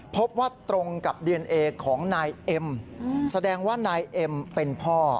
พบว่าตรงกับดีเอนเอของนายเอ็มแสดงว่านายเอ็มเป็นพ่อ